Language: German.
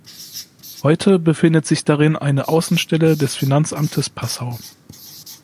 Heute befindet sich darin eine Außenstelle des Finanzamtes Passau.